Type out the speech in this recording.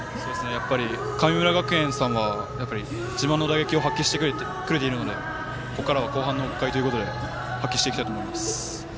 やっぱり、神村学園さんは自分の打撃を発揮してくれているのでここからは後半の北海ということで発揮してくれると思います。